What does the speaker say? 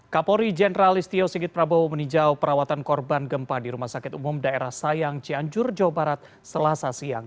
kapolri jenderal istio sigit prabowo meninjau perawatan korban gempa di rumah sakit umum daerah sayang cianjur jawa barat selasa siang